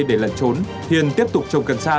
để lẩn trốn hiền tiếp tục trồng cần sa